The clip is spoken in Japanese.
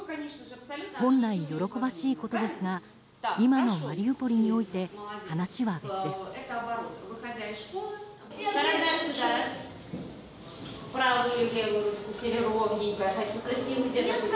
本来、喜ばしいことですが今のマリウポリにおいて話は別です。